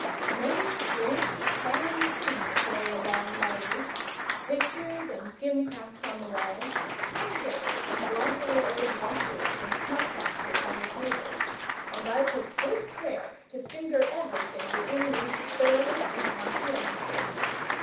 Many strange, fine things lay along my route pictures and gimcracks on the walls, trinkets and globular old watches and snuff boxes on the tables; and I took good care to finger everything within reach thoroughly and conscientiously.